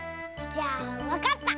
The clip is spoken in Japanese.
じゃあわかった！